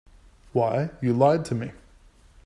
Why, you lied to me.